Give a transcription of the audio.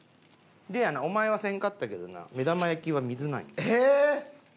でやなお前はせんかったけどな目玉焼きは水なんよ。ええーっ！